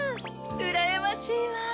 うらやましいわ！